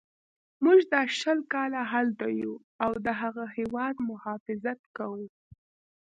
موږ دا شل کاله هلته یو او د هغه هیواد مخافظت کوو.